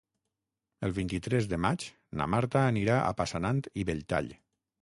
El vint-i-tres de maig na Marta anirà a Passanant i Belltall.